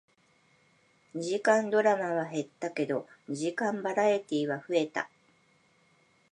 二時間ドラマは減ったけど、二時間バラエティーは増えた